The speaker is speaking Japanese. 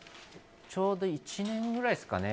ちょうど１年ぐらいですかね。